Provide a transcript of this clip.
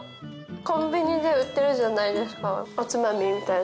コンビニで売ってるじゃないですかおつまみみたいな。